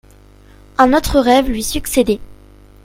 Un autre rêve lui succédait.